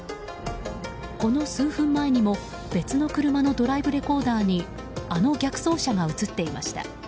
この数分前にも別の車のドライブレコーダーにあの逆走車が映っていました。